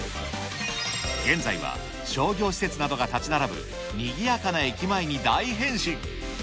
現在は商業施設などが建ち並ぶ、にぎやかな駅前に大変身。